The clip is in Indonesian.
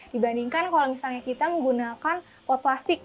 dibandingkan kalau misalnya kita menggunakan pot plastik